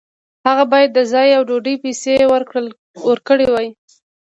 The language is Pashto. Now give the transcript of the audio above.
هغه باید د ځای او ډوډۍ پیسې ورکړې وای.